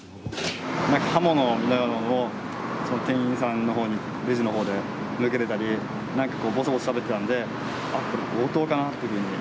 刃物のようなものを、店員さんのほうに、レジのほうで向けてたり、なんかこう、ぼそぼそしゃべってたので、あっ、これ、強盗かなっていうふうに。